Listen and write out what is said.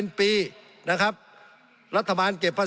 สงบจนจะตายหมดแล้วครับ